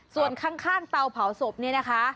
ส่วนข้างเตาเผาสบเนี่ยค่ะ